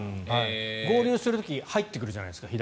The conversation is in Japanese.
合流する時、左から入ってくるじゃないですか。